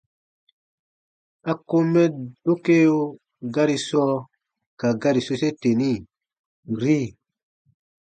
A kom mɛ dokeo gari sɔɔ ka gari sose teni: “-ri”.